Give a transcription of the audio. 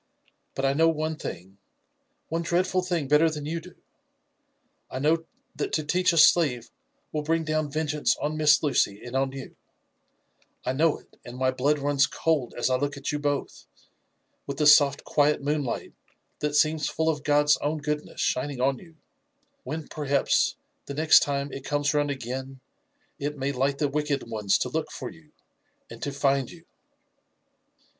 But I know one thing, one dreadful thing better than you do — I know that to teach a slave will bring down vengeance on Miss Lucy and on you ; I know it, and my blood runs cold as I look at you both, with the soft, quiet moonlight that seems full of God's own goodness shining on you — when, perhaps, the next time it comes round again it may light the wicked ones to look for you— and to find you."